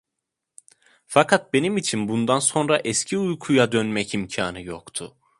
Fakat benim için bundan sonra eski uykuya dönmek imkânı yoktu.